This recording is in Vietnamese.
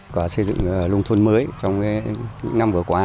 và xây dựng nông thôn mới trong những năm vừa qua